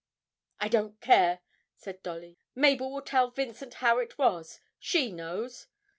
'I don't care,' said Dolly. 'Mabel will tell Vincent how it was she knows.'